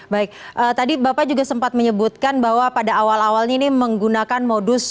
baik tadi bapak juga sempat menyebutkan bahwa pada awal awalnya ini menggunakan modus